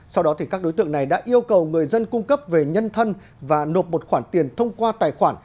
sau đó các đối tượng này đã yêu cầu người dân cung cấp về nhân thân và nộp một khoản tiền thông qua tài khoản